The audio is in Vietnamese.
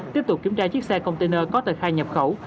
tiếp tục kiểm tra chiếc xe container có tờ khai nhập khẩu